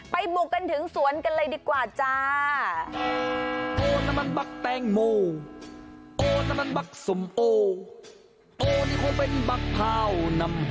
บุกกันถึงสวนกันเลยดีกว่าจ้า